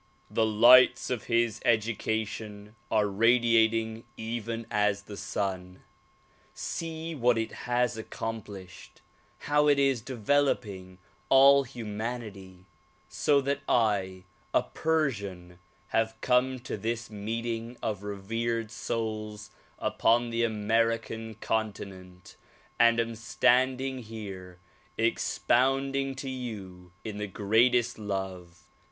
The lights of his education are radiat ing even as the sun. See what it has accomplished ; how it is devel oping all humanity, so that I, a Persian, have come to this meeting of revered souls upon the American continent and am standing here expounding to you in the greatest love.